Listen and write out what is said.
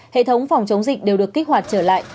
hệ thống phòng chống dịch đều được kích hoạt trở lại